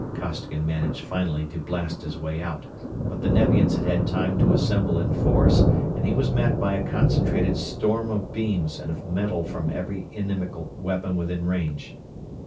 Costigan managed finally to blast his way out, but the Nevians had had time to assemble in force and he was met by a concentrated storm of beams and of metal from every inimical weapon within range.